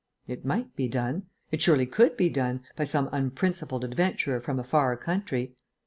It might be done: it surely could be done, by some unprincipled adventurer from a far country.